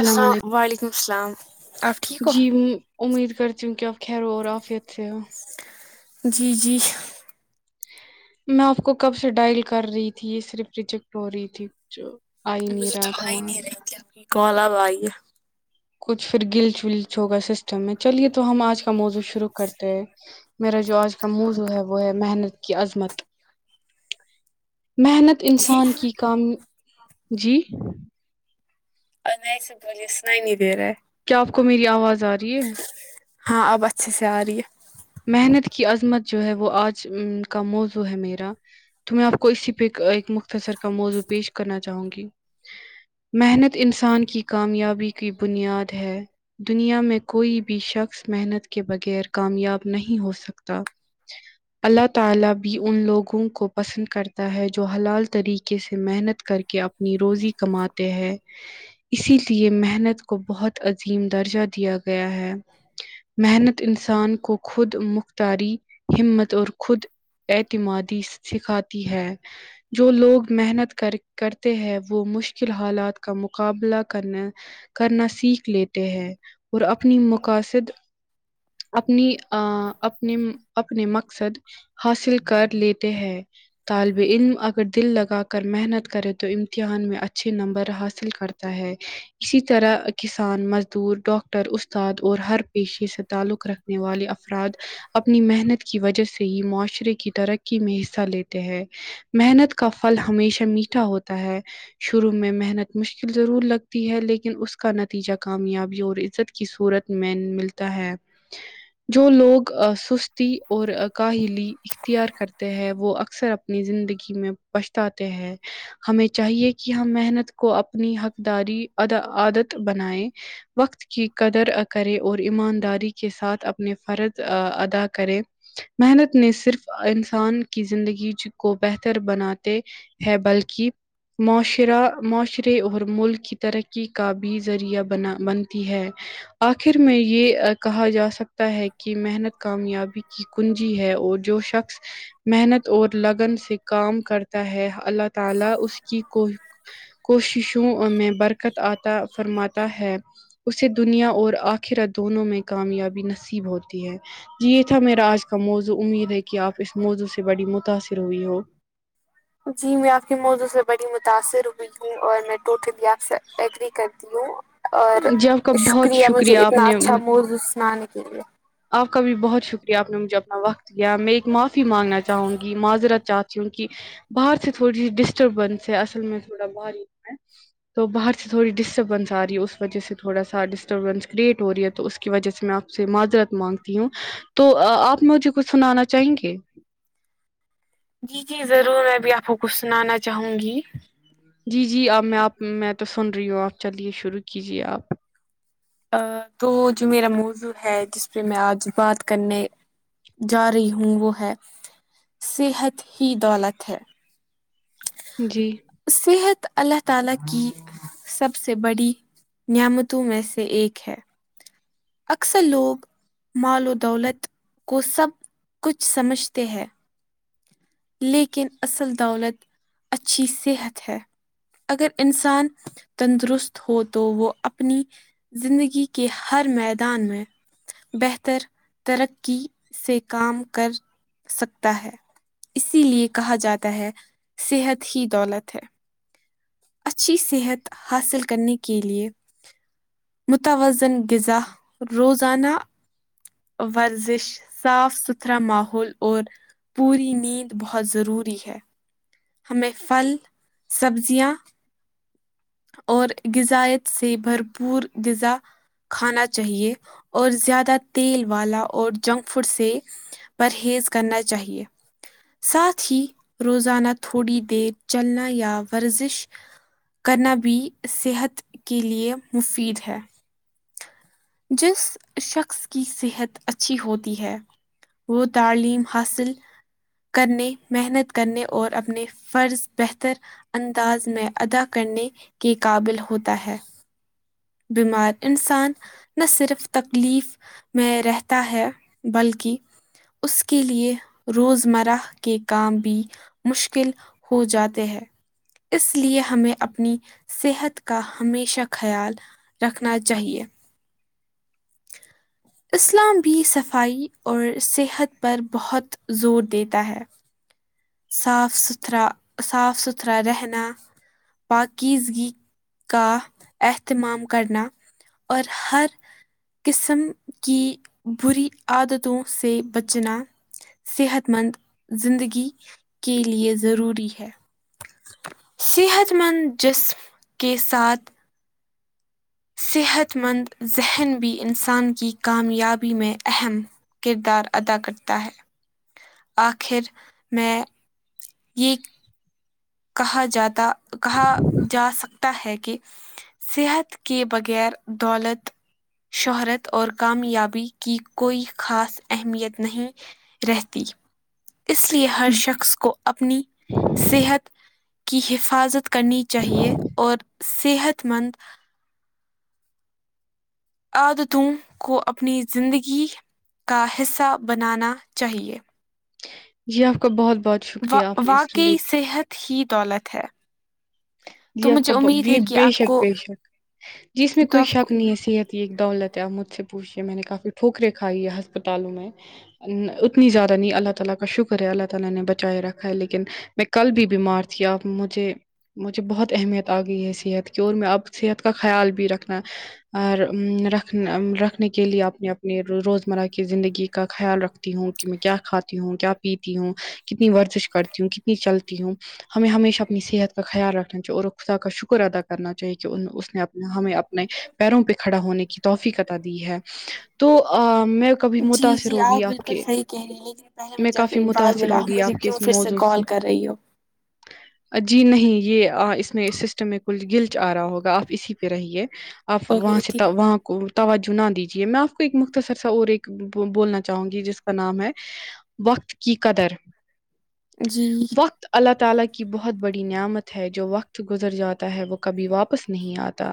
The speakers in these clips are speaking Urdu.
السا و علیکم السلام آپ ٹھیک ہو جی امید کرتی ہوں کہ اپ خیر ہو اور آفیت سے ہو جی جی میں آپ کو کب سے ڈائل کر رہی تھی یہ صرف ریجیکٹ ہو رہی تھی جو آ ہی نہیں مجھے تو رہا تھا آ ہی وہاں نہیں رہی تھی آپ کی کال اب آئی کچھ پھر گلچ ولچ ہوگا سسٹم میں چلیے تو ہم آج کا موضوع شروع کرتے ہیں میرا جو آج کا موضوع ہے وہ ہے محنت کی عظمت محنت جی انسان کی کام جی نہیں سب سنائی نہیں دےرہا ہے کیا آپ کو میری آواز آ رہی ہے ہاں اب اچھے سے آ رہی ہے محنت کی عظمت جو ہے وہ آج کا موضوع ہے میرا تو میں آپ کو اسی پہ ایک مختصر کا موضوع پیش کرنا چاہوں گی محنت انسان کی کامیابی کی بنیاد ہے دنیا میں کوئی بھی شخص محنت کے بغیر کامیاب نہیں ہو سکتا اللہ تعالی بھی ان لوگوں کو پسند کرتا ہے جو حلال طریقے سے محنت کر کے کہ اپنی روزی کماتے ہیں اسی لیے محنت کو بہت عظیم درجہ دیا گیا ہے محنت انسان کو خود مختاری ہمت اور خود اعتمادی سکھاتی ہے جو لوگ محنت کر کرتے ہیں وہ مشکل حالات کا مقابلہ کرنا کرنا سیکھ لیتے ہیں اور اپنی مقاصد اپنی آ اپنے اپنے مقصد حاصل کر لیتے ہیں طالب علم اگر دل لگا کر محنت کرے تو امتحان میں اچھے نمبر حاصل کرت تا ہے اسی طرح کسان مزدور ڈاکٹر استاد اور ہر پیشے سے تعلق رکھنے والے افراد اپنی محنت کی وجہ سے ہی معاشرے کی ترقی میں حصہ لیتے ہیں محنت کا پھل ہمیشہ میٹھا ہوتا ہے شروع میں محنت مشکل ضرور لگ تی ہے لیکن اس کا نتیجہ کامیابی اور عزت کی صورت میں ملتا ہے جو لوگ سستی اور کاہلی اختیار کرتے ہیں وہ اکثر اپنی زندگی میں پچتاتے ہیں ہمیں چاہیے کہ ہم محنت کو اپنی حقداری عا عادت بناۓ وقت کی قدر کرے اور ایمانداری کے ساتھ اپ نے فرض ادا کرے محنت نے صرف انسان کی زندگی کو بہتر بناتے ہے بلکہ معاشرہ معاشرے اور ملک کی ترقی کا بھی ذریعہ بنا بنتی ہے آخر میں یہ کہا جا سک تا ہے کہ محنت کامیابی کی کنجی ہے اور جو شخص محنت اور لگن سے کام کرتا ہے اللہ تعالی اس کی کو کوششوں میں برکت عطا فرماتا ہے اسے دنیا اور آخیرت دونوں میں کامیابی نصیب ہوتی ہے جی یہ تھا میرا آج کا موضوع امید ہے کہ آپ اس موضوع سے بڑی متاثر ہوئی ہو جی میں آپ کی موضوع سے بڑی متاثر ہوئی ہوں اور میں ٹوٹلی آپ سے ایگری کر ہوں اور جی آپ کا بہت شکریہ مجھے آپ اتنا نے اچھا موضوع سنانے کے لیے آپ کا بھی بہت شکریہ آپ نے مجھے اپنا وقت دیا میں ایک معافی مانگنا چاہوں گی معذرت چاہتی ہوں کہ باہر سے تھوڑی سی ڈسٹربنس ہے اصل میں تھوڑا باہر ہی میں تو باہر سے تھوڑی سی ڈسٹربینس آ رہی ہے اس وجہ سے تھوڑا سا ڈسٹربینس کریٹ ہو رہی ہے تو اس کی وجہ سے میں آپ سے معذرت مانگتی ہوں تو آپ مجھے کچھ سنانا چاہیں گے جی جی ضرور میں بھی آپ کو کچھ سنانا چاہوں گی جی جی اب میں آپ میں تو سن رہی ہوں آپ چلیے شروع کیجے آپ تو جو میرا موضوع ہے جس پہ میں آج بات کرنے جا رہی ہوں وہ ہے صحت ہی دولت ہے جی صحت اللہ تعالی کی سب سے بڑی نعمتوں میں سے ایک ہے اکثر لوگ ملو دولت کو سب کچھ سمجھتے ہیں لیکن اصل دولت اچھی صحت ہے اگر انسان تندرست ہو تو وہ اپنی زندگی کے ہر میدان میں بہتر ترقی سے کام کر سکتا ہے اسی لیے کہا جاتا ہے صحت ہی دولت ہے اچھی صحت حاصل کرنے کے لیے متوازن غذا روزانہ ورزش صاف ستھرا ماحول اور پوری نیند بہت ضروری ہے ہمیں پھل سبزیاں اور غذائیت سے بھرپور غذا کھانا چاہیے اور زیادہ تیل والا اور جنک فوڈ سے پرہیز کرنا چاہیے ساتھ ہی روزانہ بی دیر چلنا یا ورزش کرنا بھی صحت کے لیے مفید ہے جس شخص کی صحت اچھی ہوتی ہے وہ تعلیم حاصل کرنے محنت کرنے اور اپنے فرض بہتر انداز میں ادا کرنے کے قابل ہوتا ہے بیمار انسان نہ صرف تکلیف میں رہتا ہے بلکہ اس کے لیے روز مرہ کے کام بھی مشکل ہو جاتے ہیں اس لیے ہمیں اپنی صحت کا ہمیشہ خیال رکھنا چاہیے اسلام بھی صفائی اور صحت پر بہت زور دیتا ہے صاف ستھرا صاف ستھرا رہنا پاکیزگی کا اہتمام کرنا اور ہر قسم کی بری عادتوں سے بچنا صحت مند زندگی کے لیے ضروری ہے صحت مند جسم کے ساتھ صحت مند ذہن بھی انسان کی کامیابی میں اہم کردار ادا کرتا ہے اخر میں یہ کہا جاتا کہا جا سکتا ہے کہ صحت کے بغیر دولت شہرت اور کامیابی کی کوئی خاص اہمیت نہیں رہتی اس لیے ہر شخص کو اپنی صحت کی حفاظت کرنی چاہیے اور صحت مند عادتوں کو اپنی زندگی کا حصہ بنانا چاہیے جی اپ کا بہت بہت و شکریہ آپ نے اس لیے واقعی صحت ہی دولت ہے تو جی اپ مجھے کا امید ہے کہ بے آپ شک کو بے شک جیس میں تو کوئی آپ کو شک نہیں ہے صحت ایک دولت ہے اپ مجھ سے پوچھیے میں نے کافی ٹھوکری کائی ہے ہسپتالوں میں اتنی زیادہ نہیں اللہ تعالی کا شکر ہے اللہ تعالی نے بچائے رکھا ہے لیکن میں کل بھی بیمار تھی آپ مجھے مجھے بہت اہمیت آ گئی ہے صحت کی اور میں اب صحت کا خیال بھی رکھنا اور رکھ رکھنے کے لیے اپنے اپنے روزمرہ کی زندگی کا خیال رکھ تی ہوں کہ کیا کھاتی ہوں کیا پیتی ہوں کتنی ورزش کرتی ہوں کتنی چلتی ہوں ہمیں ہمیشہ اپنی صحت کا خیال رکھنا چاہیے اور خدا کا شکر ادا کرنا چاہیے کہ اس نے اپنا ہمیں اپ نے پیروں پہ کھڑا ہونے کی توفیق عطا دی ہے تو آ میں کبھی جی متاثر جی ہوگی آپ بالکل کے صحیح کہہ رہی ہے لیکن پہلے میں جب کافی بار متاثر بولا ہوں ہوگی آپ مجھے کے کیوں اس پھر سے موضوع کال کر رہی ہو آ، جی نہیں یہ آ اس میں سسٹم میں کل گلٹ آ رہا ہوگا آپ اسی پہ رہیے آپ ہو وہاں گئی تھی شتا وہاں کو توجہ نہ دیجیے میں آپ کو ایک مختصر سا اور ایک بولنا چاہوں گی جس کا نام ہے وقت کی قدر جی وقت اللہ تعالی کی بہت بڑی نعمت ہے جو وقت گزر جاتا ہے وہ کبھی واپس نہیں آتا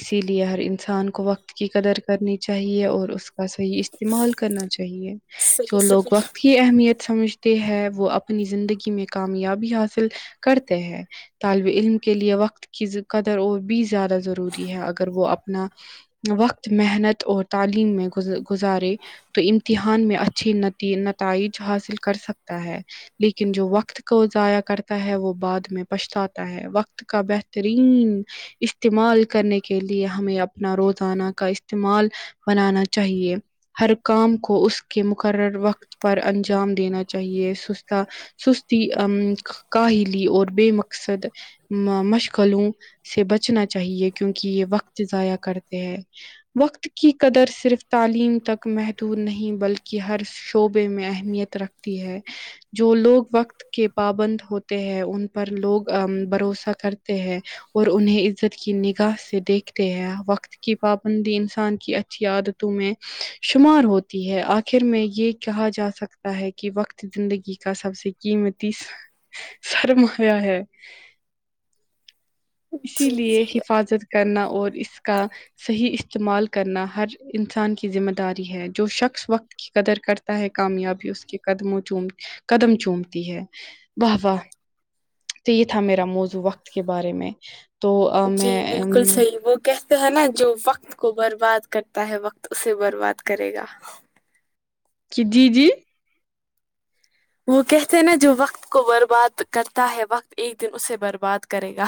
اسی لیے ہر انسان کو وقت کی قدر کرنی چاہیے اور اس کا صحیح استعمال کرنا چاہیے صحیح جو لوگ صحیح وقت کی اہمیت سمجھتے ہیں وہ اپنی زندگی میں کامیابی حاصل کرتے تے ہیں طالب علم کے لیے وقت کی قدر اور بھی زیادہ ضروری ہے اگر وہ اپنا وقت محنت اور تعلیم میں گزارے تو امتحان میں اچھی نتی نتائج حاصل کر سکتا ہے لیکن جو وقت کو ضائع کرتا ہے وہ بعد میں پچھتاتا ہے وقت کا بہترین استعمال کرنے کے لیے ہمیں اپنا روزانہ کا استعمال بنانا چاہیے ہر کام کو اس کے مقرر وقت پر انجام دینا چاہیے سستا سستی امم کاہلی اور بے مقصد مشغلوں سے بچنا چاہیے کیونکہ یہ وقت ضائع کرتے ہیں وقت کی قدر صرف تعلیم تک محدود نہیں بلکہ ہر شعبے میں اہمیت رکھتی ہے جو لوگ وقت کے پابند ہوتے ہیں ان پر لوگ بھروسہ کرتے ہیں اور انہیں عزت کی نگاہ سے دیکھتے ہیں وقت کی پابندی انسان کی اچھی عادتوں میں شمار ہوتی ہے آخر میں یہ کہا جا سکتا ہے کہ وقت زندگی کا سب سے قیمتی سرما یہ ہے اسی جی لیے جی حفاظت کرنا اور اس کا صحیح استعمال کرنا ہر انسان کی ذمہ داری ہے جو شخص وقت قدر کرتا ہے کامیابی اس کے قدموں چوم قدم چومتی ہے واہ واہ تو یہ تھا میرا موضوع وقت کے بارے میں تو امم جی میں بالکل امم صحیح وہ کہتے ہیں نا جو وقت کو برباد کرتا ہے وقت اسے برباد کرے گا کی جی جی وہ کہتے ہیں نا جو وقت کو برباد کرتا ہے وقت ایک دن اسے برباد کرے گا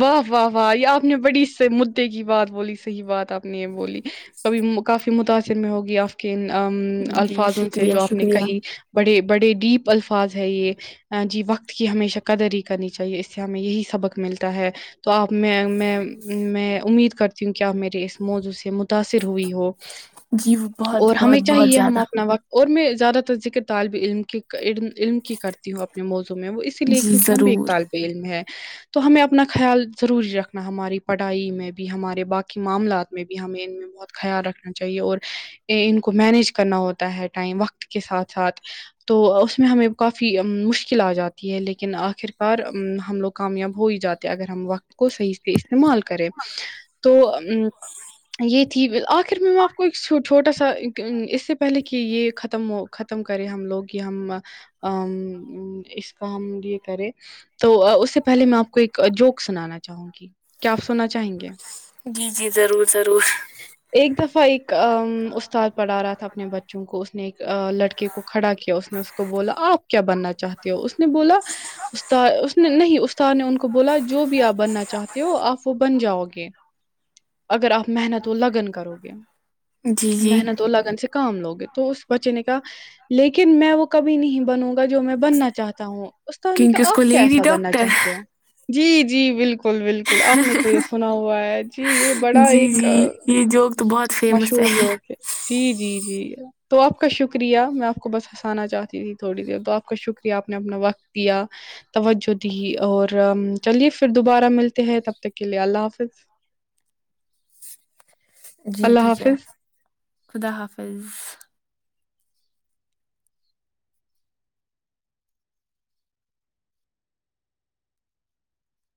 واہ واہ واہ یہ آپ نے بڑی سے مدے کی بات بولی صحیح بات آپ نے یہ بولی کبھی مکافی کافی متاثر میں ہوگی آپ کی امم جی الفاظوں سے شکریہ جو آپ نے شکریہ کہی بڑے بڑے ڈیپ الفاظ ہے یہ جی وقت کی ہمیشہ قدر ہی کرنی چاہیے اس سے ہمیں یہی سبق ملتا ہے تو آپ میں میں میں امید کرتی ہوں کہ آپ میرے اس موضوع سے متاثر ہوئی ہو جی وہ اور بہت ہمیں بہت بہت چاہیے ہم زیادہ اپنا وقت اور میں زیادہ تر ذکر طالب علم کی علم علم کی کرتی ہوں اپنے موضوع میں وہ اس اس لیے جی کیونکہ ہم بھی ایک ضرور طالب علم ہے تو ہمیں اپ اپنا خیال ضروری رکھنا ہماری پڑھائی میں بھی ہمارے باقی معاملات میں بھی ہمیں ان بہت خیال رکھنا چاہیے اور ان کو مینج کرنا ہوتا ہے ٹائم وقت کے ساتھ ساتھ تو اس میں ہمیں کافی مشکل آ جاتی ہے لیکن آخر کار ہم لوگ کامیاب ہو ہی جاتے اگر ہم وقت کو صحیح سے استعمال کریں تو ا یہ تھی آخر میں میں آپ کو ایک چھوٹا سا اس سے پہلے کہ یہ ختم ہو ختم کرے ہم لوگ یہ ہم اس کا ہم یہ کریں تو اس سے پہلے میں آپ کو ایک جوک سنانا چاہوں گی کیا آپ سنا چاہیں گے جی جی ضرور ضرور ایک دفعہ ایک استاد پڑھا رہا تھا اپنے بچوں کو اس نے ایک لڑکے کو کھڑا کیا اس نے اس کو بولا آپ کیا بننا چاہتے ہو اس نے بولا استاد اس نے نہیں استاد نے ان کو کو بولا جو بھی آپ بننا چاہتے ہو آپ وہ بن جاؤ گے اگر آپ محنت و لگن کرو گے جی جی محنت و لگن سے کام لوگے تو اس بچے نے کہا لیکن میں وہ کبھی نہیں بنوں گا جو میں بننا چاہتا ہوں استاد نے کہ کیونکہ اس کو آپ کیا لیڈی ایسا بننا ڈاکٹر چاہتے ہو جی جی بالکل بالکل بالکل آپ نے تو یہ سنا ہوا ہے جی یہ بڑا جی ایک جی یہ جوک تو بہت مشہور جوک ہے جی جی جی تو آپ کا شکریہ میں آپ کو بس ہنسانا چاہتی تھی تھوڑی دیر تو آپ کا شکریہ آپ نے اپنا وقت دیا توجہ دی اور چلیے پھر دوبارہ ملتے ہیں تب تک کے لیے اللہ حافظ جی اللہ ٹھیک ہے حافظ خدا حافظ